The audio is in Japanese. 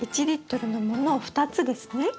１リットルのものを２つですね？